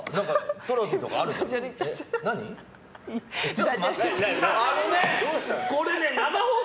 トロフィーとかあるでしょ。